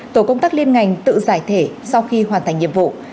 tổ công tác liên ngành tự giải thể sau khi hoàn thành nhiệm vụ